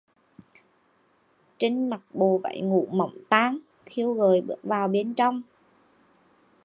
Trinh mặc bộ váy ngủ mỏng tang khiêu gợi bước vào bên trong